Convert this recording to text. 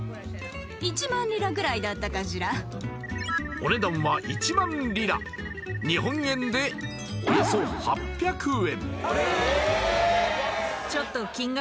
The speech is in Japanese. お値段は１万リラ日本円でおよそ８００円